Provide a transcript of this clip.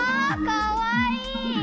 かわいい！